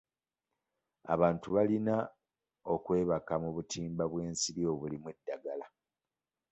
Abantu balina okwebaka mu butimba bw'ensiri obulimu eddagala.